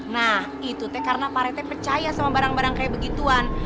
nah itu teh karena parete percaya sama barang barang kayak begituan